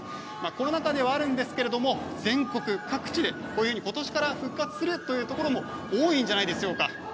コロナ禍ではあるんですけれども全国各地でことしから復活するというところも多いんじゃないでしょうか。